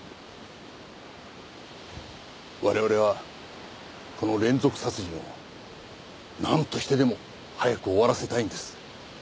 我々はこの連続殺人をなんとしてでも早く終わらせたいんです。